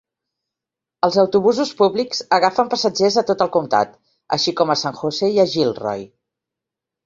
Els autobusos públics agafen passatgers a tot el comtat, així com a San Jose i Gilroy.